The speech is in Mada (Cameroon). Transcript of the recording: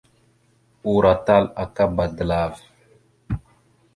Uroatal a bbadalava va.